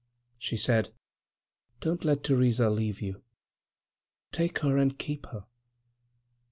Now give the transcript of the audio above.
She said: 'Don't let Theresa leave you. Take her and keep her.'